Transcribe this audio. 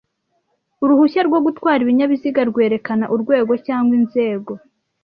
Uruhushya rwo gutwara ibinyabiziga rwerekana urwego cyangwa inzego